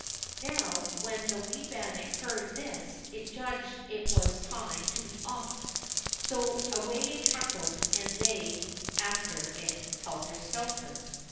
Now when the wee bannock heard this it judged it was time to be off ; so away it trundled and they after it helter skelter.